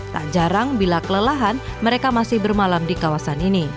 tak jarang bila kelelahan mereka masih bermalam di kawasan ini